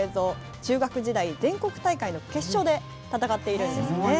中学時代、全国大会の決勝で戦っているんですね。